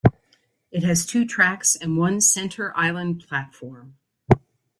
It has two tracks and one center island platform.